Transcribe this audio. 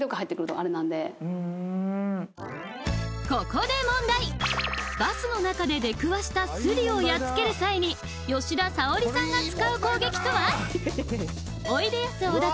ここで問題バスの中で出くわしたスリをやっつける際に吉田沙保里さんが使う攻撃とは？